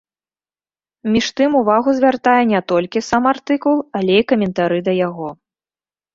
Між тым увагу звяртае не толькі сам артыкул, але і каментары да яго.